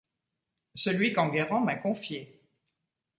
Celui qu’Enguerrand m’a confié.